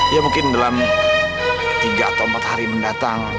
ya mungkin dalam tiga atau empat hari mendatang